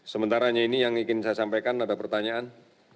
sementara ini saya ingin menyampaikan ada pertanyaan